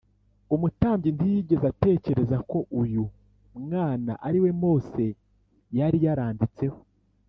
Umutambyi ntiyigeze atekereza ko uyu mwana ariwe Mose yari yaranditseho